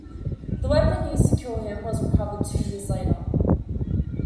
The weapon used to kill him was recovered two years later.